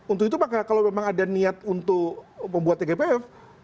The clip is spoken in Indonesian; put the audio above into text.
untuk itu maka kalau memang ada niat untuk membuat tgpf